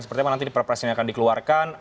seperti apa nanti presiden akan dikeluarkan